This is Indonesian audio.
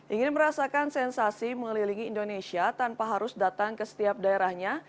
ingin merasakan sensasi mengelilingi indonesia tanpa harus datang ke setiap daerahnya